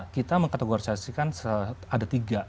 kita mengkategorisasi kan ada tiga